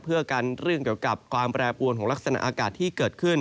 เพื่อกันเรื่องเกี่ยวกับความแปรปวนของลักษณะอากาศที่เกิดขึ้น